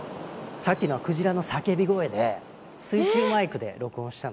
さっきのクジラの叫び声で水中マイクで録音したのね。